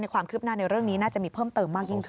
ความคืบหน้าในเรื่องนี้น่าจะมีเพิ่มเติมมากยิ่งขึ้น